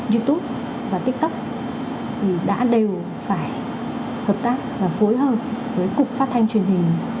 youtube và tiktok đã đều phải hợp tác và phối hợp với cục phát thanh truyền hình